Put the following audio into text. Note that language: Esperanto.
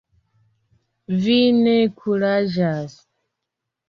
Vi ne kuraĝas?